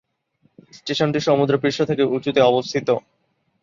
স্টেশনটি সমুদ্রপৃষ্ঠ থেকে উঁচুতে অবস্থিত।